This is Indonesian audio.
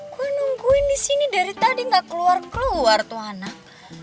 gue nungguin di sini dari tadi gak keluar keluar tuh anak